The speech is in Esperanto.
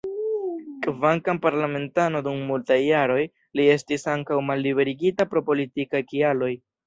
Kvankam parlamentano dum multaj jaroj, li estis ankaŭ malliberigita pro politikaj kialoj.